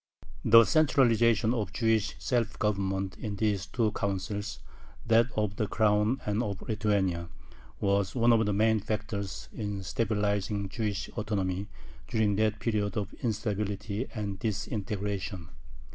The centralization of Jewish self government in these two Councils that of the Crown and of Lithuania was one of the main factors in stabilizing Jewish autonomy during that period of instability and disintegration.